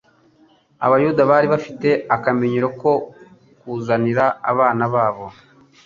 Abayuda bari bafite akamenyero ko kuzanira abana babo